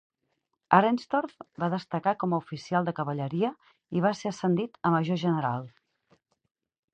Arenstorff va destacar com a oficial de cavalleria i va ser ascendit a major general.